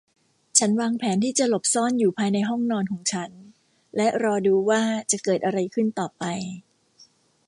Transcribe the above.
ฉันวางแผนที่จะหลบซ่อนอยู่ภายในห้องนอนของฉันและรอดูว่าจะเกิดอะไรขึ้นต่อไป